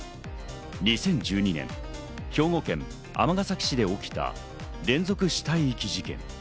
２０１２年、兵庫県尼崎市で起きた連続死体遺棄事件。